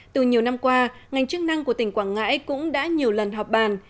từ nhiều năm qua ngành chức năng của tỉnh quảng ngãi cũng đã nhiều lần họp bàn